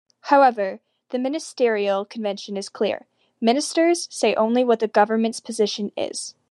However, the ministerial convention is clear: Ministers say only what the Government's position is.